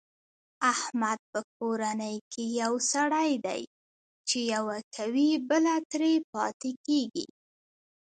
احمد په کورنۍ کې یو سری دی، چې یوه کوي بله ترې پاتې کېږي.